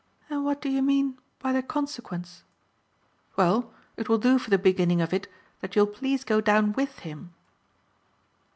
"And what do you mean by the consequence?" "Well, it will do for the beginning of it that you'll please go down WITH him."